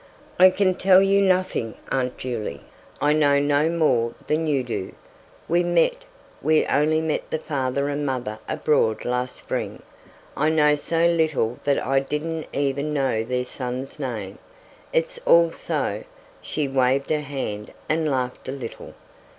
"I can tell you nothing, Aunt Juley. I know no more than you do. We met we only met the father and mother abroad last spring. I know so little that I didn't even know their son's name. It's all so " She waved her hand and laughed a little.